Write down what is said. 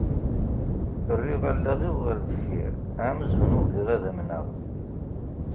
Rriɣ allaɣ-iw ɣer deffir amzun ugiɣ ad amneɣ.